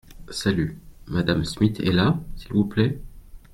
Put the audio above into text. Salut ! Madame Smith est là, s’il vous plait ?